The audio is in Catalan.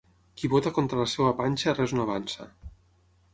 Qui vota contra la seva panxa res no avança.